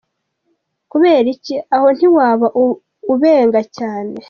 com : Kubera iki ? Aho ntiwaba ubenga cyane ?.